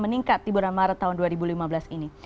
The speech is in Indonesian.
meningkat di bulan maret tahun dua ribu lima belas ini